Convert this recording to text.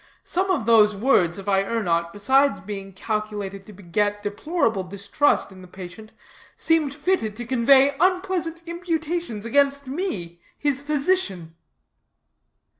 Some of those words, if I err not, besides being calculated to beget deplorable distrust in the patient, seemed fitted to convey unpleasant imputations against me, his physician."